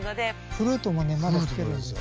フルートもねまだ吹けるんですよ。